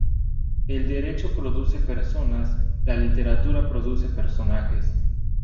El derecho produce personas; la literatura produce personajes.